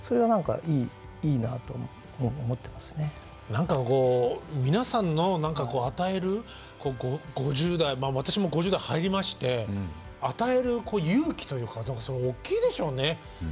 何かこう皆さんの与える５０代私も５０代入りまして与える勇気というかそれは大きいでしょうね。